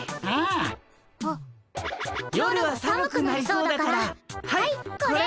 夜は寒くなりそうだからはいこれ。